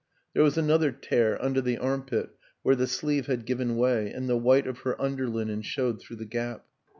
There was another tear under the armpit where the sleeve had given way and the white of her underlinen showed through the gap.